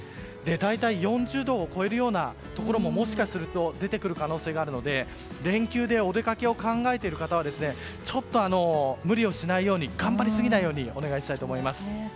大体、４０度を超えるようなところももしかすると出てくる可能性があるので連休でお出かけを考えている方はちょっと無理をしないように頑張りすぎないようにお願いしたいと思います。